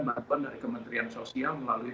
bantuan dari kementerian sosial melalui